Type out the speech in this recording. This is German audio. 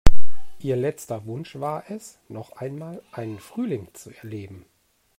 Ihr letzter Wunsch war es, noch einmal einen Frühling zu erleben.